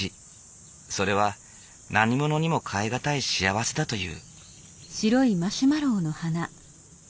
それは何物にも代え難い幸せだという。